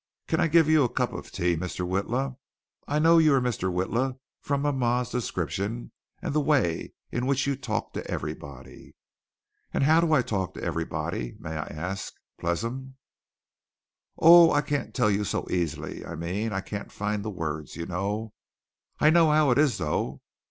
"Can I give you a cup of tea, Mr. Witla? I know you are Mr. Witla from ma ma´'s description and the way in which you talk to everybody." "And how do I talk to everybody, may I ask, pleasum?" "Oh, I can't tell you so easily. I mean, I can't find the words, you know. I know how it is, though.